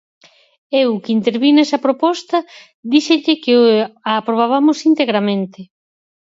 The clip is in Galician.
Eu, que intervín nesa proposta, díxenlle que a aprobabamos ¡integramente!